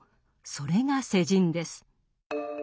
それが「世人」です。